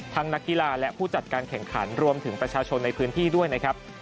นักกีฬาและผู้จัดการแข่งขันรวมถึงประชาชนในพื้นที่ด้วยนะครับ